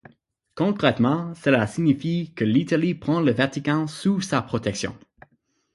Concrètement, cela signifie que l'Italie prend le Vatican sous sa protection.